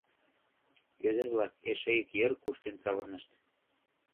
Ӱдыр-влак эше ик йыр куштен савырнышт.